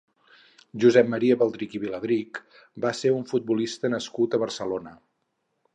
Josep Maria Baldrich i Viladrich va ser un futbolista nascut a Barcelona.